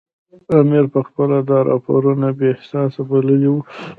امیر پخپله دا راپورونه بې اساسه بللي وو.